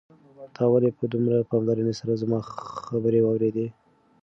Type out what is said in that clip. تا ولې په دومره پاملرنې سره زما خبرې واورېدې؟